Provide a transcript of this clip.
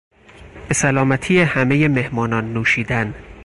بسلامتی همهی مهمانان نوشیدن